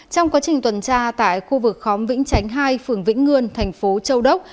trong quá trình tuần tra tại khu vực khóm vĩnh chánh hai phường vĩnh ngươn tp châu đốc